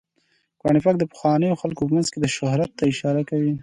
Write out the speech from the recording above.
قرآن پاک د پخوانیو خلکو په مینځ کې شهرت ته اشاره کوي.